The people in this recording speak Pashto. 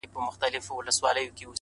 هره شېبه د سمون فرصت لري,